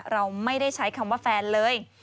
เราไม่ได้ใช้คำว่าแฟนเลย